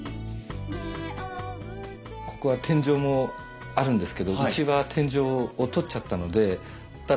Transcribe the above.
ここは天井もあるんですけどうちは天井を取っちゃったのでそ